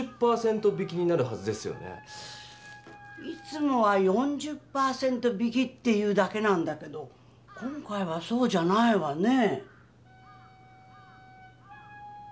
いつもは「４０％引き」って言うだけなんだけど今回はそうじゃないわねぇ。